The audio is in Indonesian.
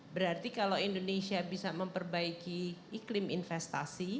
berarti kalau indonesia bisa memperbaiki iklim investasi